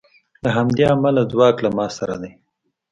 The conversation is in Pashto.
له همدې امله ځواک له ما سره دی